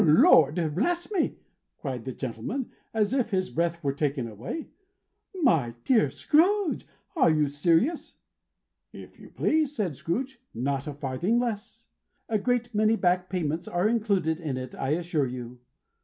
"Lord bless me!" cried the gentleman, as if his breath were taken away. "My dear Mr. Scrooge, are you serious?" "If you please," said Scrooge. "Not a farthing less. A great many back payments are included in it, I assure you.